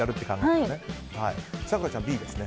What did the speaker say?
咲楽ちゃんはＢですね。